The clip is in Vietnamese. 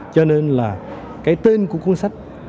cho nên là cái tên của cuốn sách